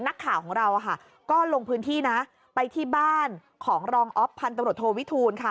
นักข่าวของเราก็ลงพื้นที่นะไปที่บ้านของรองอ๊อฟพันตำรวจโทวิทูลค่ะ